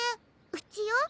うちよ。